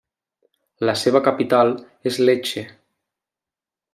La seva capital és Lecce.